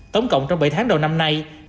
tổng cộng trong bảy tháng đầu năm nay